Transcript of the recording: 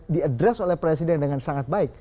diadres dengan sangat baik